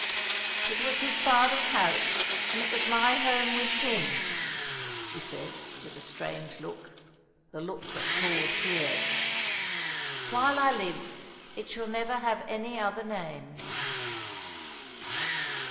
"It was his father's house, and it was my home with him," she said, with a strange look the look that Claude feared. "While I live it shall never have any other name."